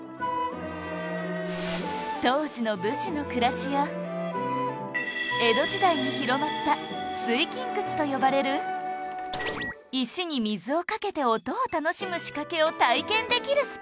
当時の武士の暮らしや江戸時代に広まった水琴窟と呼ばれる石に水をかけて音を楽しむ仕掛けを体験できるスポットに